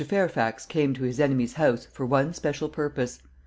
Fairfax came to his enemy's house for one special purpose.